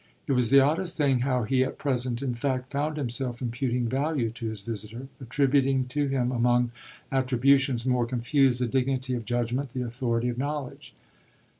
It was the oddest thing how he at present in fact found himself imputing value to his visitor attributing to him, among attributions more confused, the dignity of judgement, the authority of knowledge.